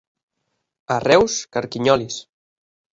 A Reus, carquinyolis.